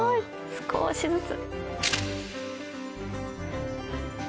少しずつ。